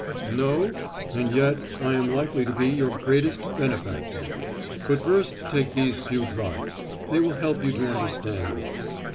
"No? And yet I am likely to be your greatest benefactor. But first take these few drops; they will help you to understand me.